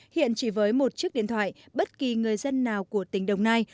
hiện chỉ với một chiếc điện thoại bất kỳ người dân nào của tỉnh đồng nai